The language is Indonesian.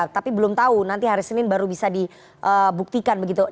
tapi belum tahu nanti hari senin baru bisa dibuktikan begitu